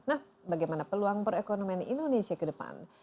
nah bagaimana peluang perekonomian indonesia ke depan